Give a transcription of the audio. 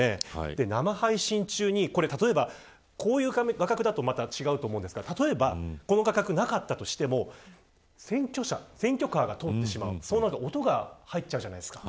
生配信中に、例えばこういう画角だと違うと思うんですがこの画角がなかったとしても選挙カーが通ってしまうと音が入っちゃうじゃないですか。